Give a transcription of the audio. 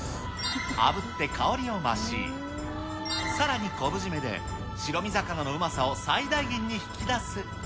あぶって香りを増し、さらに、昆布締めで白身魚のうまさを最大限に引き出す。